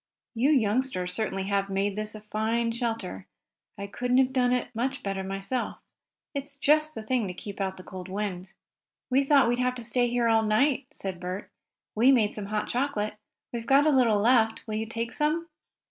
"You youngsters certainly have made this a fine shelter. I couldn't have done it much better myself. It's just the thing to keep out the cold wind." "We thought we'd have to stay here all night," said Bert. "We made some hot chocolate. We've got a little left. Will you take some?"